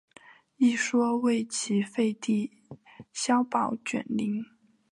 一说为齐废帝萧宝卷陵。